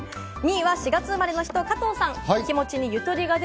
２位は４月生まれの方、加藤さん。